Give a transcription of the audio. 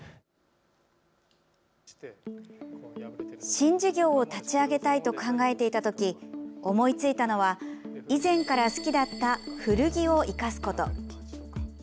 新事業を立ち上げたいと考えていた時、思いついたのは以前から好きだった古着を生かすこと。